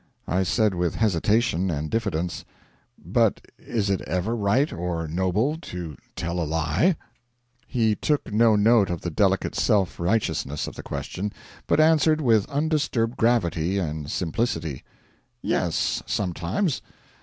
I said with hesitation and diffidence: 'But is it ever right or noble to tell a lie?' He took no note of the delicate self righteousness of the question, but answered with undisturbed gravity and simplicity: 'Yes, sometimes.